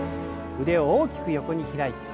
腕を大きく横に開いて。